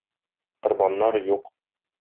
Корбаннар юк.